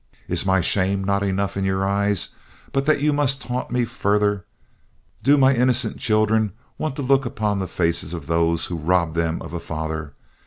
Is my shame not enough in your eyes but that you must taunt me further? Do my innocent children want to look upon the faces of those who robbed them of a father?